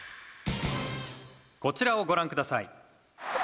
「こちらをご覧ください」